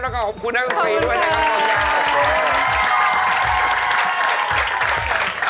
แล้วก็ขอบคุณทั้งคู่ด้วยนะครับ